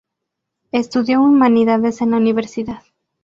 Estudió humanidades en la universidad.